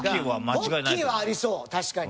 ポッキーはありそう確かに。